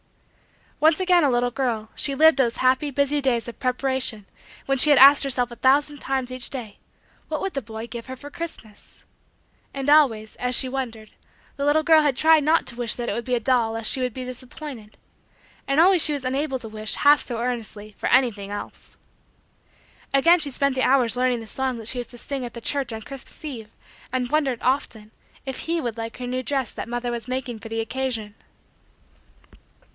Once again a little girl, she lived those happy, busy, days of preparation when she had asked herself a thousand times each day: what would the boy give her for Christmas? And always, as she wondered, the little girl had tried not to wish that it would be a doll lest she should be disappointed. And always she was unable to wish, half so earnestly, for anything else. Again she spent the hours learning the song that she was to sing at the church on Christmas eve and wondered, often, if he would like her new dress that mother was making for the occasion.